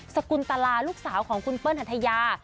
สกุลตลาลูกสาวของคุณเปิ้ลหัทยา